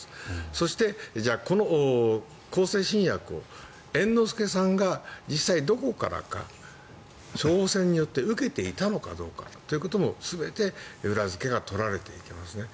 そしてじゃあ、この向精神薬を猿之助さんが実際どこからか処方せんによって受けていたのかどうかということも全て、裏付けが取られていきますね。